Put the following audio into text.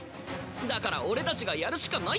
だから俺たちがやるしかない！